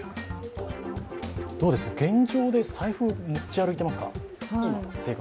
どうです、現状で財布持ち歩いていますか？